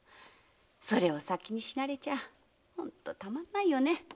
それを先に死なれちゃ本当にたまらないよね。